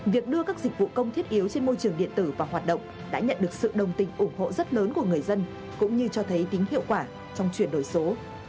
việc đưa các dịch vụ công thiết yếu trên môi trường điện tử vào hoạt động đã nhận được sự đồng tình ủng hộ rất lớn của người dân cũng như cho thấy tính hiệu quả trong chuyển đổi số